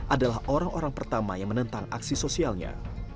adalah orang orang pertama yang menentang aksi sosialnya